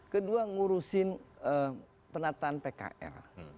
kedua ngurusin penataan pkr